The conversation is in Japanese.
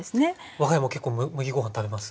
我が家も結構麦ご飯食べます。